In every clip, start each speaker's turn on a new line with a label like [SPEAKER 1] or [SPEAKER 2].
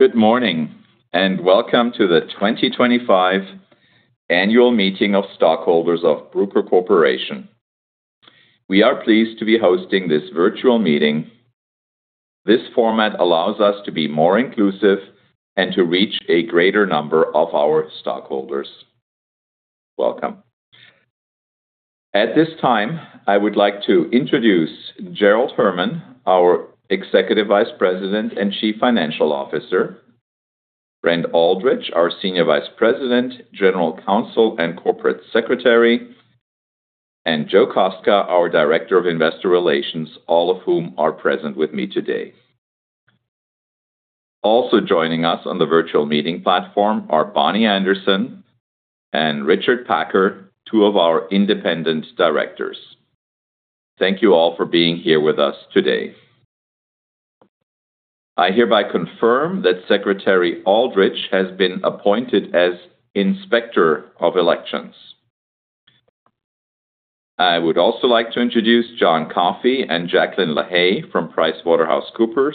[SPEAKER 1] Good morning, and welcome to the 2025 Annual Meeting of Stockholders of Bruker Corporation. We are pleased to be hosting this virtual meeting. This format allows us to be more inclusive and to reach a greater number of our stockholders. Welcome. At this time, I would like to introduce Gerald Herman, our Executive Vice President and Chief Financial Officer, Brent Alldredge, our Senior Vice President, General Counsel and Corporate Secretary, and Joe Kostka, our Director of Investor Relations, all of whom are present with me today. Also joining us on the virtual meeting platform are Bonnie Anderson and Richard Packer, two of our Independent Directors. Thank you all for being here with us today. I hereby confirm that Secretary Alldredge has been appointed as Inspector of Elections. I would also like to introduce John Coffey and Jacqueline Lahey from PricewaterhouseCoopers,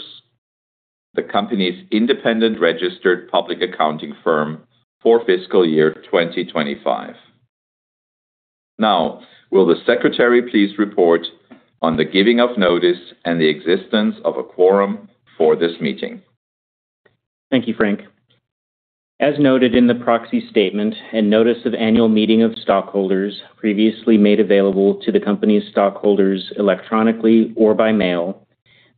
[SPEAKER 1] the company's independent registered public accounting firm for fiscal year 2025. Now, will the Secretary please report on the giving of notice and the existence of a quorum for this meeting?
[SPEAKER 2] Thank you, Frank. As noted in the proxy statement and notice of annual meeting of stockholders previously made available to the company's stockholders electronically or by mail,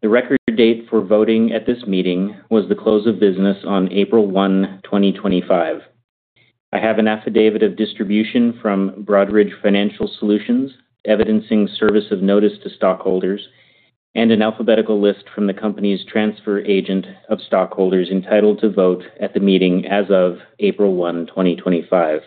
[SPEAKER 2] the record date for voting at this meeting was the close of business on April 1, 2025. I have an affidavit of distribution from Broadridge Financial Solutions evidencing service of notice to stockholders and an alphabetical list from the company's transfer agent of stockholders entitled to vote at the meeting as of April 1, 2025.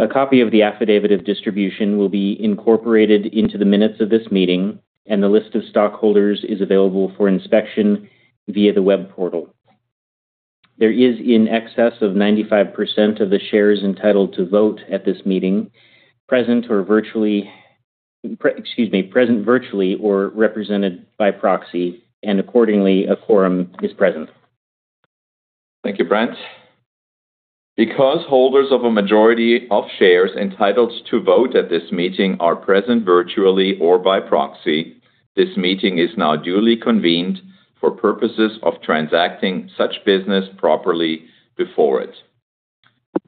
[SPEAKER 2] A copy of the affidavit of distribution will be incorporated into the minutes of this meeting, and the list of stockholders is available for inspection via the web portal. There is, in excess of 95% of the shares entitled to vote at this meeting, present or virtually—excuse me—present virtually or represented by proxy, and accordingly, a quorum is present.
[SPEAKER 1] Thank you, Brent. Because holders of a majority of shares entitled to vote at this meeting are present virtually or by proxy, this meeting is now duly convened for purposes of transacting such business properly before it.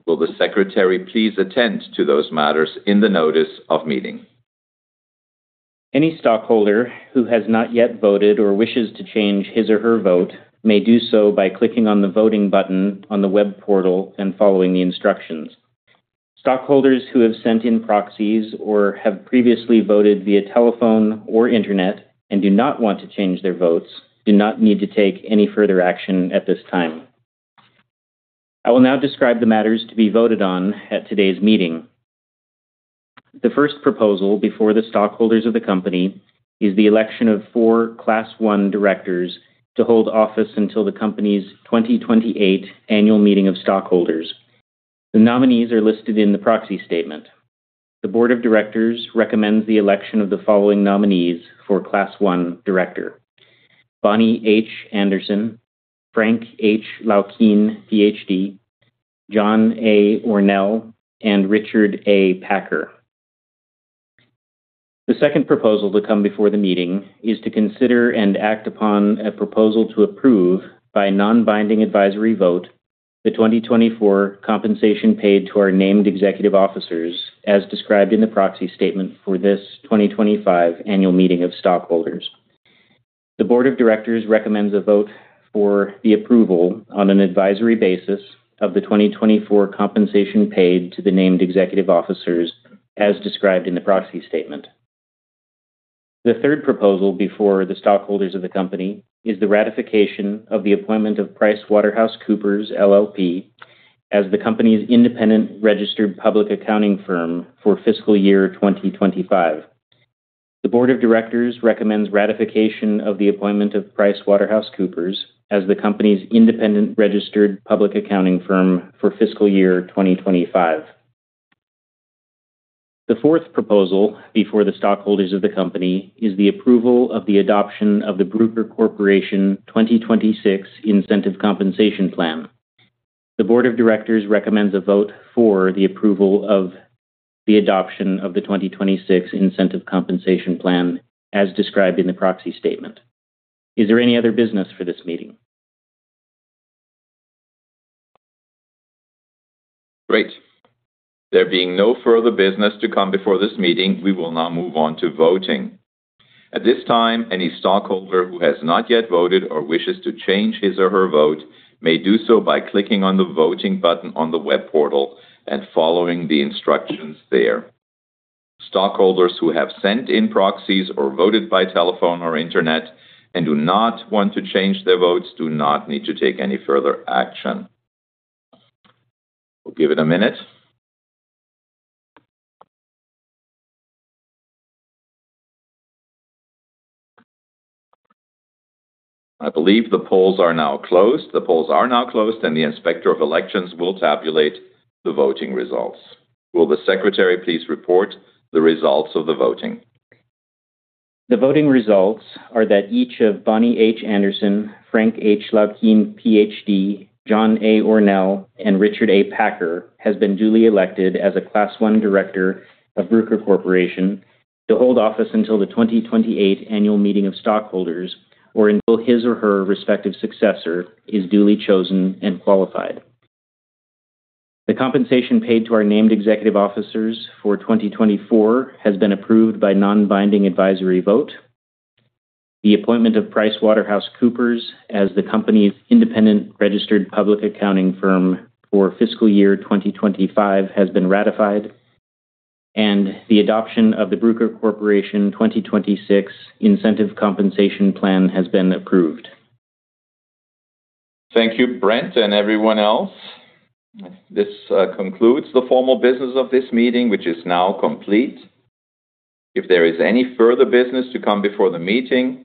[SPEAKER 1] Will the Secretary please attend to those matters in the notice of meeting?
[SPEAKER 2] Any stockholder who has not yet voted or wishes to change his or her vote may do so by clicking on the voting button on the web portal and following the instructions. Stockholders who have sent in proxies or have previously voted via telephone or internet and do not want to change their votes do not need to take any further action at this time. I will now describe the matters to be voted on at today's meeting. The first proposal before the stockholders of the company is the election of four Class 1 Directors to hold office until the company's 2028 Annual Meeting of Stockholders. The nominees are listed in the proxy statement. The Board of Directors recommends the election of the following nominees for Class 1 Director: Bonnie H. Anderson, Frank H. Laukien, Ph.D., John A. Ornell, and Richard A. Packer. The second proposal to come before the meeting is to consider and act upon a proposal to approve, by non-binding advisory vote, the 2024 compensation paid to our named executive officers, as described in the proxy statement for this 2025 Annual Meeting of Stockholders. The Board of Directors recommends a vote for the approval, on an advisory basis, of the 2024 compensation paid to the named executive officers, as described in the proxy statement. The third proposal before the stockholders of the company is the ratification of the appointment of PricewaterhouseCoopers LLP as the company's independent registered public accounting firm for fiscal year 2025. The Board of Directors recommends ratification of the appointment of PricewaterhouseCoopers as the company's independent registered public accounting firm for fiscal year 2025. The fourth proposal before the stockholders of the company is the approval of the adoption of the Bruker Corporation 2026 Incentive Compensation Plan. The Board of Directors recommends a vote for the approval of the adoption of the 2026 Incentive Compensation Plan, as described in the proxy statement. Is there any other business for this meeting?
[SPEAKER 1] Great. There being no further business to come before this meeting, we will now move on to voting. At this time, any stockholder who has not yet voted or wishes to change his or her vote may do so by clicking on the voting button on the web portal and following the instructions there. Stockholders who have sent in proxies or voted by telephone or internet and do not want to change their votes do not need to take any further action. We'll give it a minute. I believe the polls are now closed. The polls are now closed, and the Inspector of Elections will tabulate the voting results. Will the Secretary please report the results of the voting?
[SPEAKER 2] The voting results are that each of Bonnie H. Anderson, Frank H. Laukien, Ph.D., John A. Ornell, and Richard A. Packer has been duly elected as a Class 1 Director of Bruker Corporation to hold office until the 2028 Annual Meeting of Stockholders or until his or her respective successor is duly chosen and qualified. The compensation paid to our named executive officers for 2024 has been approved by non-binding advisory vote. The appointment of PricewaterhouseCoopers LLP as the company's independent registered public accounting firm for fiscal year 2025 has been ratified, and the adoption of the Bruker Corporation 2026 Incentive Compensation Plan has been approved.
[SPEAKER 1] Thank you, Brent and everyone else. This concludes the formal business of this meeting, which is now complete. If there is any further business to come before the meeting,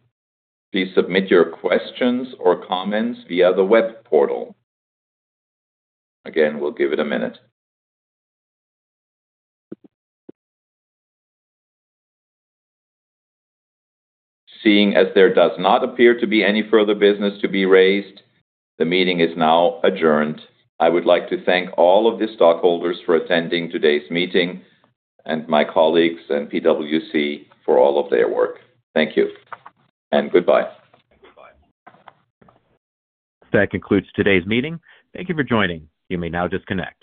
[SPEAKER 1] please submit your questions or comments via the web portal. Again, we'll give it a minute. Seeing as there does not appear to be any further business to be raised, the meeting is now adjourned. I would like to thank all of the stockholders for attending today's meeting and my colleagues and PwC for all of their work. Thank you and goodbye.
[SPEAKER 3] That concludes today's meeting. Thank you for joining. You may now disconnect.